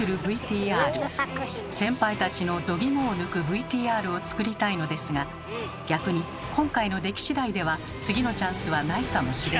先輩たちのどぎもを抜くＶＴＲを作りたいのですが逆に今回の出来しだいでは次のチャンスはないかもしれない。